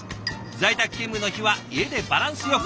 在宅勤務の日は家でバランスよく。